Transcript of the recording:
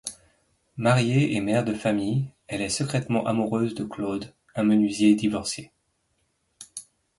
Mariée et mère de famille, elle est secrètement amoureuse de Claude, un menuisier divorcé.